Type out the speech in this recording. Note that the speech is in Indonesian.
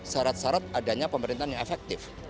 syarat syarat adanya pemerintahan yang efektif